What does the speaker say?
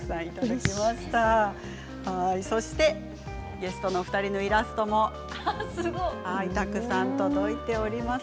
ゲストの２人のイラストもたくさん届いています。